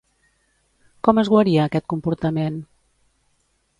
Com es guaria aquest comportament?